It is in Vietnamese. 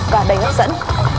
và đánh hấp dẫn